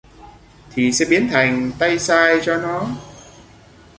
thì sẽ biến thành tay sai cho nó